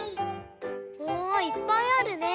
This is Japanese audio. おいっぱいあるね。